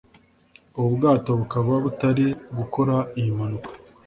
ubu bwato bukaba butari gukora iyi mpanuka.